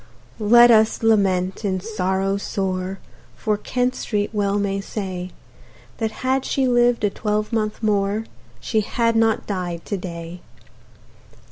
Let us lament, in sorrow sore, For Kent Street well may say, That had she lived a twelvemonth more She had not died to day.